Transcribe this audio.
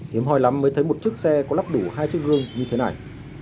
hiếm hỏi lắm mới thấy một chiếc xe có lắp đủ hai chiếc gương như thế này